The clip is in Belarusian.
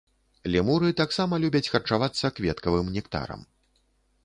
Лемуры таксама любяць харчавацца кветкавым нектарам.